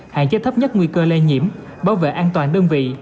hạn chế thấp nhất nguy cơ lây nhiễm bảo vệ an toàn đơn vị